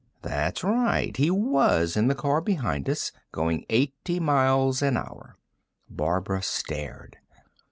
That's right; he was in the car behind us, going eighty miles an hour." Barbara stared.